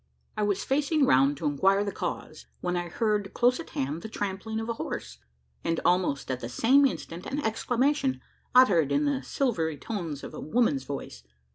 I was facing round to inquire the cause, when I heard close at hand the trampling of a horse; and, almost at the same instant, an exclamation, uttered in the silvery tones of a woman's voice.